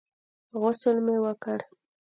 غسل مې وکړ.